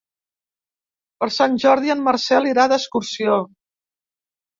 Per Sant Jordi en Marcel irà d'excursió.